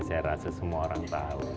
saya rasa semua orang tahu